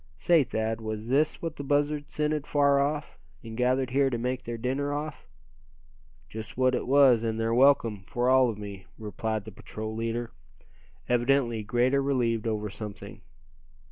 "Say, Thad, was this what the buzzards scented far off, and gathered here to make their dinner off?" "Just what it was, and they're welcome, for all of me," replied the patrol leader; evidently greatly relieved over something.